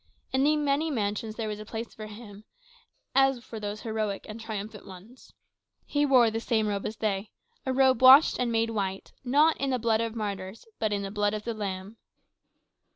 In the many mansions there was a place for him, as for those heroic and triumphant ones. He wore the same robe as they a robe washed and made white, not in the blood of martyrs, but in the blood of the Lamb.